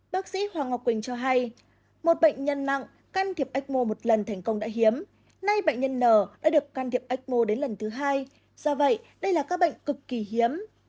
bác sĩ hoàng ngọc quỳnh cho hay một bệnh nhân nặng can thiệp ecmo một lần thành công đã hiếm nay bệnh nhân n đã được can thiệp ecmo đến lần thứ hai do vậy đây là các bệnh cực kỳ hiếm